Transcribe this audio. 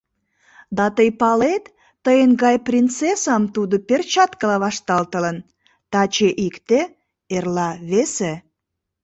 Да тый палет, тыйын гай принцессам тудо перчаткыла вашталтылын; таче — икте, эрла — весе.